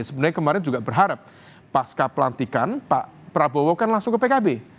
sebenarnya kemarin juga berharap pasca pelantikan pak prabowo kan langsung ke pkb